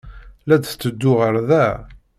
La d-tetteddu ɣer da?